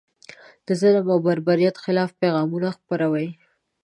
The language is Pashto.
د ظلم او بربریت خلاف پیغامونه خپروي.